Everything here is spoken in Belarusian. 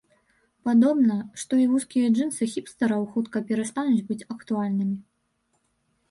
Падобна, што і вузкія джынсы хіпстараў хутка перастануць быць актуальнымі.